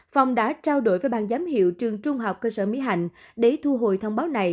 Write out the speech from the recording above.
phòng đã trao đổi với ban giám hiệu trường trung học cơ sở mỹ hạnh để thu hồi thông báo này